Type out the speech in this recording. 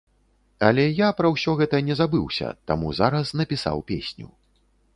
Але я пра ўсё гэта не забыўся, таму зараз напісаў песню.